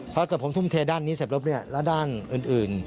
เพราะถ้าผมทุ่มเทด้านนี้เสร็จรบแล้วแล้วด้านอื่น